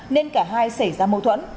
nên cả hai xảy ra mâu thuẫn